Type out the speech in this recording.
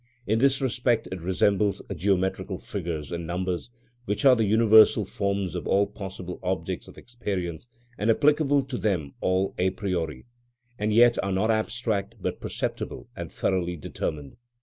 In this respect it resembles geometrical figures and numbers, which are the universal forms of all possible objects of experience and applicable to them all a priori, and yet are not abstract but perceptible and thoroughly determined.